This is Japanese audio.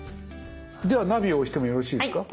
ではナビを押してもよろしいですか？